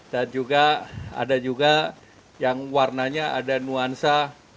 dan juga ada juga yang warnanya ada nuansa